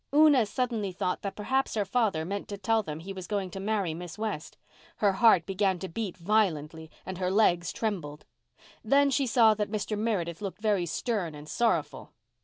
Una suddenly thought that perhaps her father meant to tell them that he was going to marry Miss West. Her heart began to beat violently and her legs trembled. Then she saw that Mr. Meredith looked very stern and sorrowful.